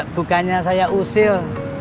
bukannya saya usil